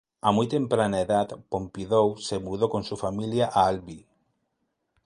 A muy temprana edad, Pompidou se mudó con su familia a Albi.